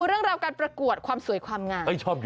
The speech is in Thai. เรื่องราวการประกวดความสวยความงาม